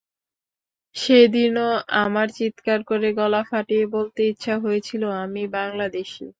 সেদিনও আমার চিৎকার করে, গলা ফাটিয়ে বলতে ইচ্ছা হয়েছিল- আমি বাংলাদেশি।